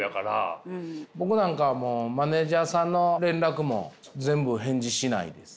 僕なんかもうマネージャーさんの連絡も全部返事しないです。